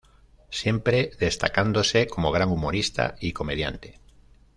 Siempre destacándose como gran humorista y comediante.